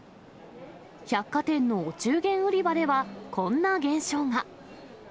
百貨店のお中元売り場では、こんな現象が。